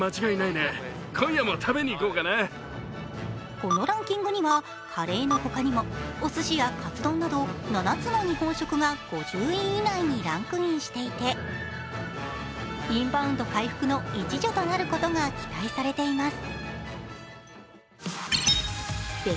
このランキングには、カレーの他にもおすしやカツ丼など７つの日本食が５０位以内にランクインしていてインバウンド回復の一助となることが期待されています。